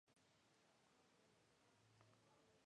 El apareamiento ocurre entre diciembre y enero.